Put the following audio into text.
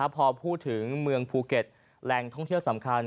พอพูดถึงเมืองภูเก็ตแหล่งท่องเที่ยวสำคัญ